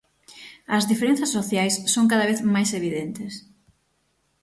As diferenzas sociais son cada vez máis evidentes.